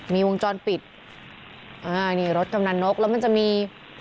มีวงจรปิดอ่านี่รถกำนันนกแล้วมันจะมี